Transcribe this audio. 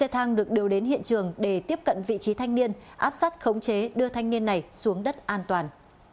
thang được đưa đến hiện trường để tiếp cận vị trí thanh niên áp sát khống chế đưa thanh niên này xuống đất an toàn